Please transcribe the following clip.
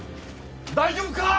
大丈夫か！？